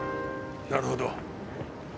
なるほど。